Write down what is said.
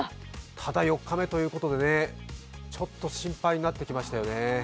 ただ４日目ということで、ちょっと心配になってきましたよね。